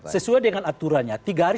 sesuai dengan aturannya tiga hari